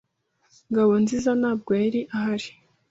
Ngabonziza ntabwo yari ahari.